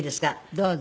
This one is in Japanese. どうぞ。